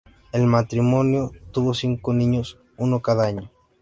El matrimonio tuvo cinco niños, uno cada año.